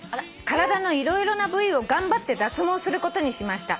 「体の色々な部位を頑張って脱毛することにしました」